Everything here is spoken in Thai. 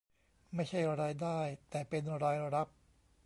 ไม่ใช่รายได้แต่เป็นรายรับ